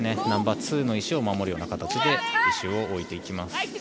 ナンバーツーの石を守るような形で石を置いていきます。